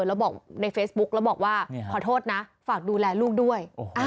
แล้วบอกในเฟซบุ๊กแล้วบอกว่าขอโทษนะฝากดูแลลูกด้วย